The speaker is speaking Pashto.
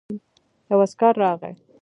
يو عسکر راغی.